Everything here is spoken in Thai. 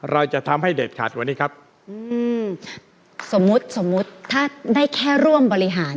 เราจะทำให้เด็ดขาดกว่านี้ครับอืมสมมุติสมมุติถ้าได้แค่ร่วมบริหาร